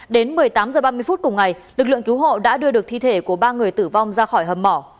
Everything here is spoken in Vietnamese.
đến một mươi tám h ba mươi phút cùng ngày lực lượng cứu hộ đã đưa được thi thể của ba người tử vong ra khỏi hầm mỏ